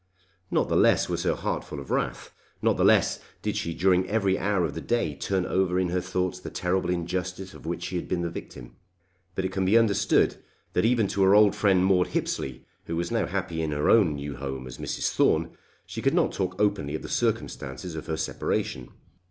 Not the less was her heart full of wrath. Not the less did she during every hour of the day turn over in her thoughts the terrible injustice of which she had been the victim. But it can be understood that even to her old friend Maude Hippesley, who was now happy in her new home as Mrs. Thorne, she could not talk openly of the circumstances of her separation.